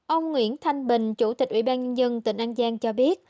ông nguyễn thanh bình chủ tịch ủy ban nhân dân tỉnh an giang cho biết